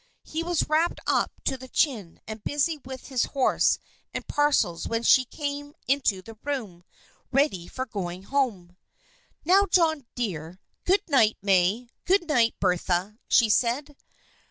He was wrapped up to the chin and busy with his horse and parcels when she came into the room, ready for going home. "Now, John, dear! Good night, May! Good night, Bertha," she said.